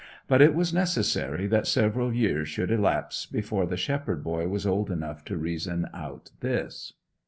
But it was necessary that several years should elapse before the shepherd boy was old enough to reason out this.